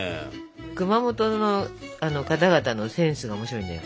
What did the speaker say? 熊本の方々のセンスが面白いんだよ。